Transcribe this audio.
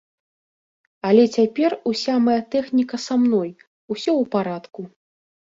Але цяпер уся мая тэхніка са мной, усё ў парадку.